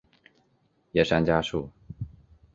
叶山嘉树。